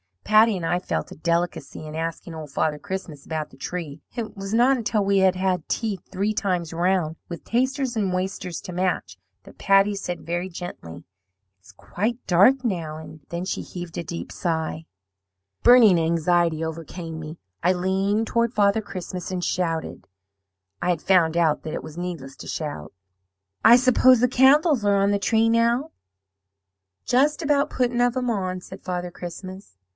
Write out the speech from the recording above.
"Patty and I felt a delicacy in asking Old Father Christmas about the tree. It was not until we had had tea three times round, with tasters and wasters to match, that Patty said very gently: 'It's quite dark now.' And then she heaved a deep sigh. "Burning anxiety overcame me. I leaned toward Father Christmas, and shouted I had found out that it was needful to shout "'I suppose the candles are on the tree now?' "'Just about putting of 'em on,' said Father Christmas.